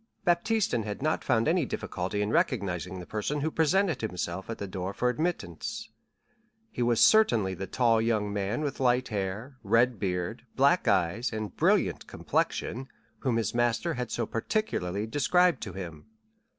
Baptistin had not found any difficulty in recognizing the person who presented himself at the door for admittance. He was certainly the tall young man with light hair, red beard, black eyes, and brilliant complexion, whom his master had so particularly described to him.